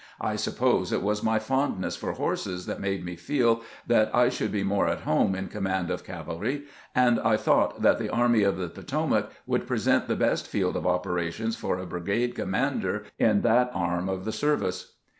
I suppose it was my fondness for horses that made me feel that I should be more at home in com mand of cavalry, and I thought that the Army of the Potomac would present the best field of operations for a brigade commander in that arm of the service."